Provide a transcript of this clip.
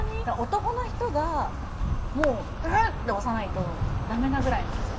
男の人がもう「うん！」って押さないとダメなぐらいなんですよ